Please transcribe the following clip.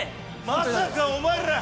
まさかお前ら！